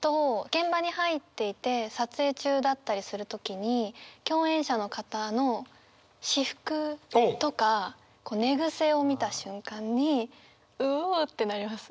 現場に入っていて撮影中だったりする時に共演者の方の私服とか寝癖を見た瞬間にうおってなります。